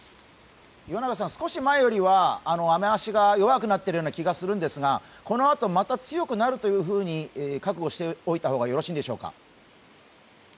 岩永さん、少し前よりは雨足が弱くなっているようなんですが、このあとまた強くなると覚悟しておいた方がよろしいんでしょうか？